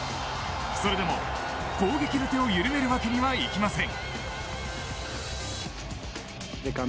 それでも攻撃の手を緩めるわけにはいきません。